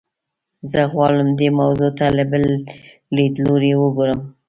زه غواړم دې موضوع ته له بل لیدلوري وګورم.